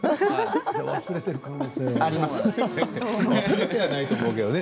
忘れている可能性もあるよね。